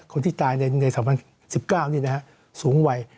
คนที่ตายใน๒๐๑๙นี่นะฮะสูงวัย